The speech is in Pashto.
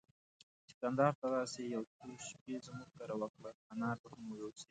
چي کندهار ته راسې، يو څو شپې زموږ کره وکړه، انار به هم يوسې.